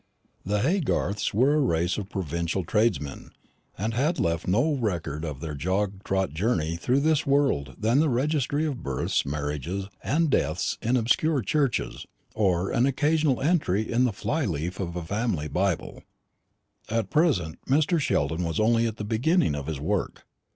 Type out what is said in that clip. The Haygarths were a race of provincial tradesmen, and had left no better record of their jog trot journey through this world than the registry of births, marriages, and deaths in obscure churches, or an occasional entry in the fly leaf of a family Bible. At present Mr. Sheldon was only at the beginning of his work.